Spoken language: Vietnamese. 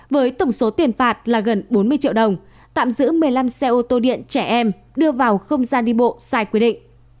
với tổng số tiền phạt là gần bốn mươi triệu đồng tạm giữ một mươi năm xe ô tô điện trẻ em đưa vào không gian đi bộ sai quy định